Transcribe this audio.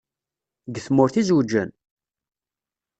Deg tmurt i zewǧen?